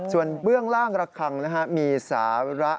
ส่วนเบื้องล่างระคังนะครับมีสระ